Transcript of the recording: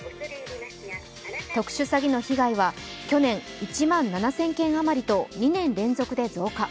特殊詐欺の被害は去年、１万７０００件余りと２年連続で増加。